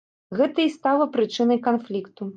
Гэта і стала прычынай канфлікту.